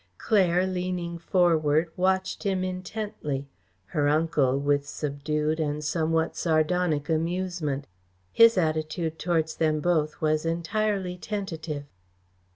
Claire, leaning forward, watched him intently; her uncle with subdued and somewhat sardonic amusement. His attitude towards them both was entirely tentative.